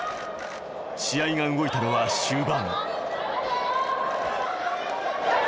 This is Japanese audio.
試合が動いたのは終盤。